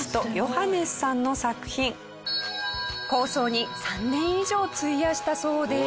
構想に３年以上費やしたそうです。